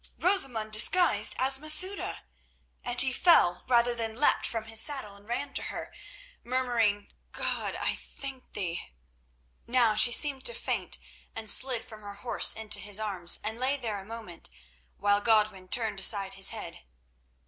"Rosamund disguised as Masouda!" And he fell rather than leapt from his saddle and ran to her, murmuring, "God! I thank Thee!" Now she seemed to faint and slid from her horse into his arms, and lay there a moment, while Godwin turned aside his head.